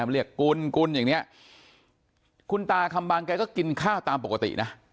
เรียกกุลกุลอย่างนี้คุณตาคำบางแกก็กินข้าวตามปกตินะ